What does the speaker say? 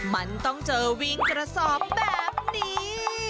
มันต้องเจอวิ่งกระสอบแบบนี้